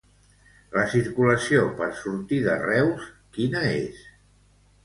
La circulació per sortir de Reus, quina és?